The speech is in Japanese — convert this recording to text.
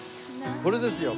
これですよ。